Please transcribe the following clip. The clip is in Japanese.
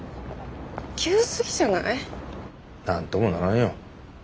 何ともならんよ。